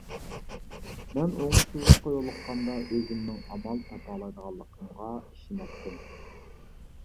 مەن ئوڭۇشسىزلىققا يولۇققاندا، ئۆزۈمنىڭ ئامال تاپالايدىغانلىقىمغا ئىشىنەتتىم.